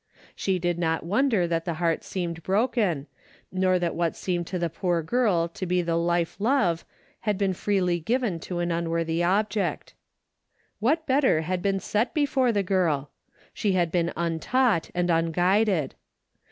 She did not wonder that the heart seemed broken, nor that what seemed to the poor girl to be the life love had been freely given to an unworthy object. What better had been set before the girl ? She had been untaught and unguided.